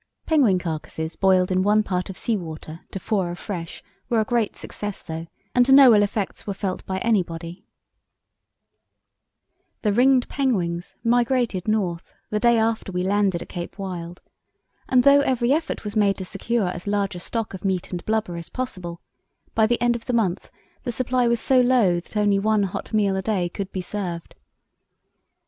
Penguin carcasses boiled in one part of sea water to four of fresh were a great success, though, and no ill effects were felt by anybody. [Illustration: Elephant Island] [Illustration: The Rescue Ship Sighted] The ringed penguins migrated north the day after we landed at Cape Wild, and though every effort was made to secure as large a stock of meat and blubber as possible, by the end of the month the supply was so low that only one hot meal a day could be served.